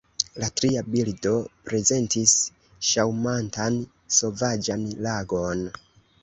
La tria bildo prezentis ŝaŭmantan, sovaĝan lagon.